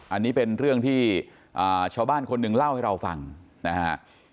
อันนี้เป็นเรื่องที่ชาวบ้านคนหนึ่งเล่าให้เราฟังนะฮะ